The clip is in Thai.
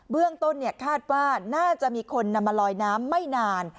เรื่องต้นคาดว่าน่าจะมีคนนำมาลอยน้ำไม่นาน